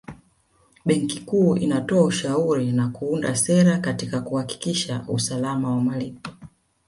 Benki Kuu inatoa ushauri na kuunda sera katika kuhakikisha usalama wa malipo